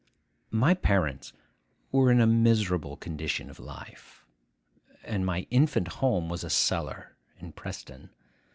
My parents were in a miserable condition of life, and my infant home was a cellar in Preston.